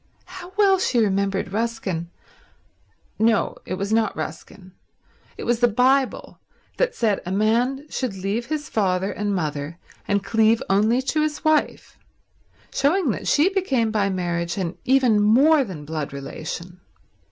How well she remembered Ruskin—no, it was not Ruskin, it was the Bible that said a man should leave his father and mother and cleave only to his wife; showing that she became by marriage an even more than blood relation.